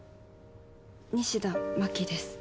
西田真紀です。